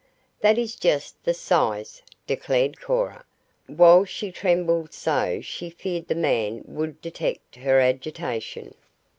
"That is just the size," declared Cora, while she trembled so she feared the man would detect her agitation.